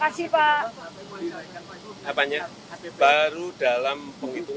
tadi kan salah satu bantuan yang dikirimkan juga obat gitu pak